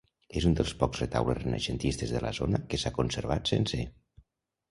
És un dels pocs retaules renaixentistes de la zona que s’ha conservat sencer.